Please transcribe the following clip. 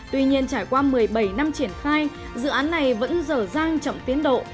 tuy nhiên trải qua một mươi bảy năm triển khai dự án này vẫn dở dàng trọng tiến độ